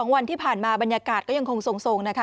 วันที่ผ่านมาบรรยากาศก็ยังคงทรงนะคะ